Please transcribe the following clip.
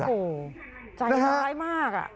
โอ้โหใจร้ายมาก